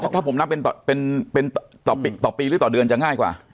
ถ้าผมนับเป็นต่อปีหรือต่อเดือนจะง่ายกว่า